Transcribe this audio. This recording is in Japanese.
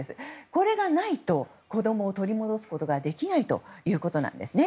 これがないと子供を取り戻すことはできないということなんです。